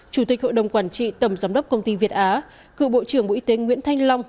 chủ tịch hội đồng quản trị tầm giám đốc công ty việt á cựu bộ trưởng bộ y tế nguyễn thanh long